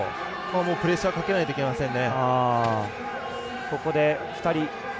プレッシャーかけないといけませんね。